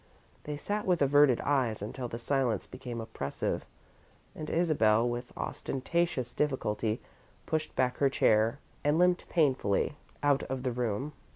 They sat with averted eyes until the silence became oppressive, and Isabel, with ostentatious difficulty, pushed back her chair and limped painfully out of the room.